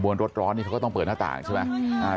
รถร้อนนี่เขาก็ต้องเปิดหน้าต่างใช่ไหม